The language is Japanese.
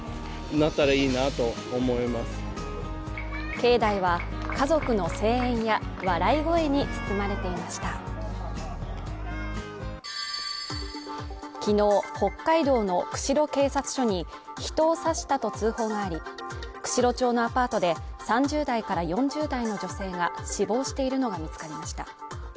境内は家族の声援や笑い声に包まれていました昨日北海道の釧路警察署に人を刺したと通報があり、釧路町のアパートで３０代から４０代の女性が死亡しているのが見つかりました。